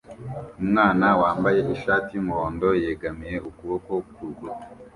Umwana wambaye ishati yumuhondo yegamiye ukuboko kurukuta